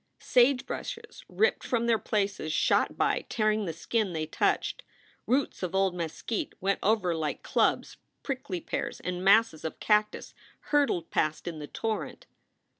Sagebrushes ripped from their places shot by, tearing the skin they touched. Roots of old mes quite went over like clubs, prickly pears and masses of cactus hurtled past in the torrent.